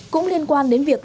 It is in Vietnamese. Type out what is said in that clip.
cũng liên quan đến việc